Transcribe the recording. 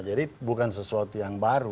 jadi bukan sesuatu yang baru